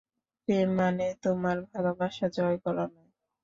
প্রেম মানে তোমার ভালবাসা, জয় করা নয়।